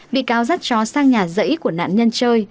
bị cáo dắt chó sang nhà dãy của nạn nhân chơi